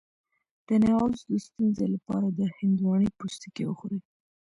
د نعوظ د ستونزې لپاره د هندواڼې پوستکی وخورئ